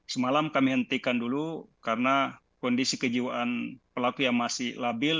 semalam kami hentikan dulu karena kondisi kejiwaan pelaku yang masih labil